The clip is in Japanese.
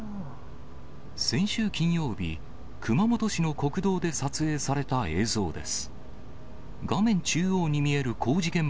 先週金曜日、熊本市の国道で撮影された映像です。